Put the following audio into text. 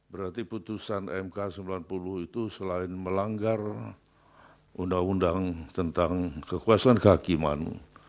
berarti putusan mk sembilan puluh itu selain melanggar undang undang tentang kekuasaan kehakiman